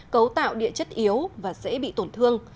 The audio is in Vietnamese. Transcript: cấu tạo địa chất yếu và dễ bị tổn thương